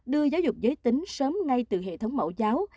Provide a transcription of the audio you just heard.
đưa giáo dục giới tính sớm ngay từ hệ thống mẫu giáo